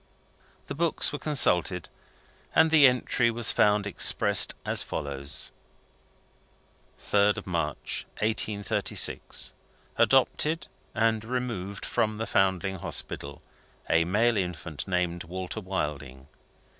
The books were consulted, and the entry was found expressed as follows: "3d March, 1836. Adopted, and removed from the Foundling Hospital, a male infant, named Walter Wilding.